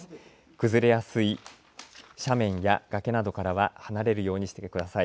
崩れやすい斜面や崖などからは離れるようにしてください。